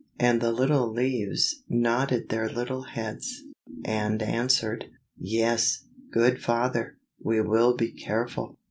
And the little leaves nodded their little heads, and answered, "Yes, good father, we will be careful."